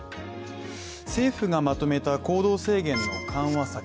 政府がまとめた行動制限の緩和策。